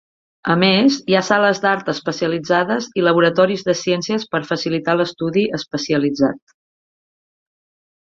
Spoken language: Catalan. A més, hi ha sales d'art especialitzades i laboratoris de ciències per facilitar l'estudi especialitzat.